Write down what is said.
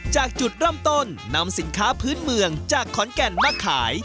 จากจุดเริ่มต้นนำสินค้าพื้นเมืองจากขอนแก่นมาขาย